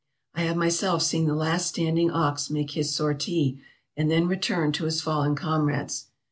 I have myself seen the last standing ox make his sortie and then return to his fallen comrades.